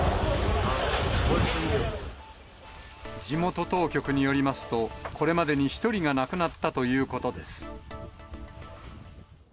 地元当局によりますと、これまでに１人が亡くなったということです。